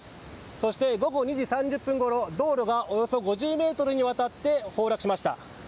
そして午後２時３０分ごろ道路がおよそ５０ｍにわたって崩落しました。